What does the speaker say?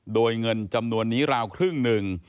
โดยเงินจำนวนนี้ราวครึ่งหนึ่ง